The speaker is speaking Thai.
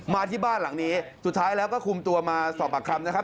มาที่บ้านหลังนี้สุดท้ายแล้วก็คุมตัวมาสอบปากคำนะครับ